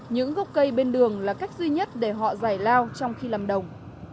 những gốc cây bên đường là cách duy nhất để họ giải lao trong khi làm đồng